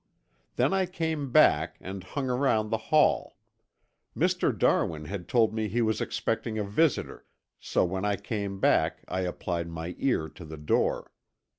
Then I came back and hung around the hall. Mr. Darwin had told me he was expecting a visitor, so when I came back I applied my ear to the door.